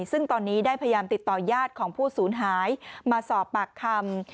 ซึ่งตอนนี้ได้พยายามติดต่อญาติของผู้สูญหายมาสอบปากคำ